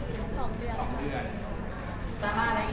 ที่เขาพูดอะไร